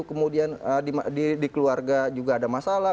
kemudian di keluarga juga ada masalah